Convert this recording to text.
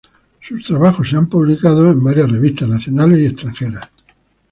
Ha sido publicado sus trabajos en varias revistas nacionales y extranjeras.